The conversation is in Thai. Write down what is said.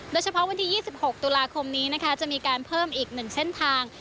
โดยเฉพาะวันที่๒๖ตุลาคมนี้นะคะจะมีการเพิ่มอีก๑เส้นทาง